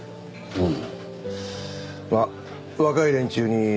うん。